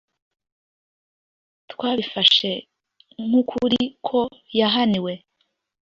Twabifashe nkukuri ko yahaniwe